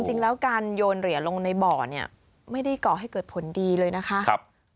จริงแล้วการโยนเหรียญลงในบ่อเนี่ยไม่ได้ก่อให้เกิดผลดีเลยนะคะ